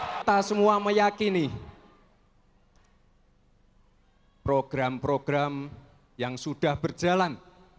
kita semua meyakini program program yang sudah berjalan